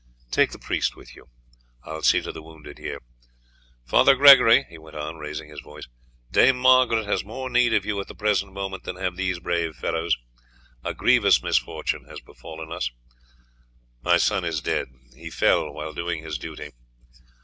Take the priest with you; I will see to the wounded here. Father Gregory," he went on, raising his voice, "Dame Margaret has more need of you at the present moment than have these brave fellows. A grievous misfortune has befallen us. My son is dead; he fell while doing his duty.